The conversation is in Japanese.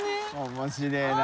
面白いな。